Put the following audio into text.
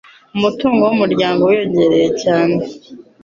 Umutungo wumuryango wiyongereye cyane